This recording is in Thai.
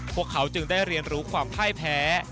พวกเขาจึงได้เรียนรู้ความพ่ายแพ้